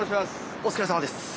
お疲れさまです。